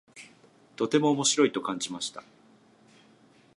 とても面白いと感じました。